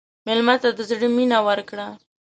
مېلمه ته د زړه مینه ورکړه.